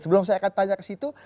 sebelum saya akan tanya ke situ